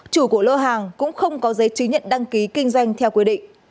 chủ của lô hàng cũng không có giấy chứng nhận đăng ký kinh doanh theo quy định